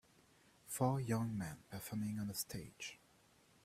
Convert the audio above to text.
four young man performing on a stage.